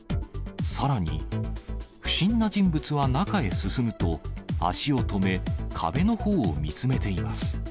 さらに、不審な人物は中へ進むと、足を止め、壁のほうを見つめています。